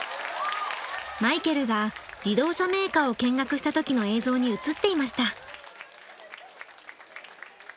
マイケルが自動車メーカーを見学した時の映像に映っていました。